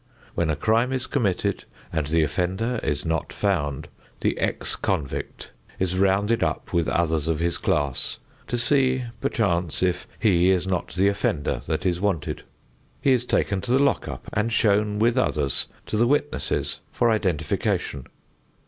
When a crime is committed and the offender is not found, the ex convict is rounded up with others of his class to see, perchance, if he is not the offender that is wanted. He is taken to the lock up and shown with others to the witnesses for identification.